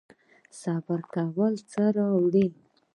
صبر کول څه راوړي؟